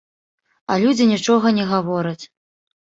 А людзі нічога не гавораць.